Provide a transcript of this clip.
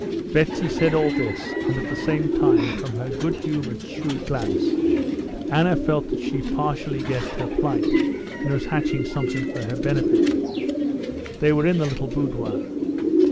Betsy said all this, and, at the same time, from her good humored, shrewd glance, Anna felt that she partly guessed her plight, and was hatching something for her benefit. They were in the little boudoir.